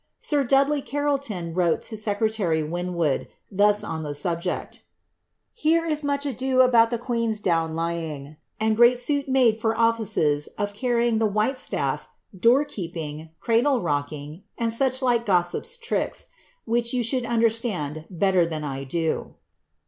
Sir Dudley Carleton wrote to secre tary Winwood thus on the subject :^ Here is much ado about the queen's down lying, and great suit made for offices of carrying the white staflf, door keeping, cradle rocking, and such like gossip's tricks, which you should understand better than I do."